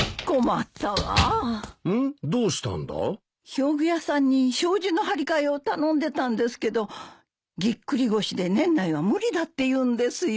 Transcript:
表具屋さんに障子の張り替えを頼んでたんですけどぎっくり腰で年内は無理だって言うんですよ。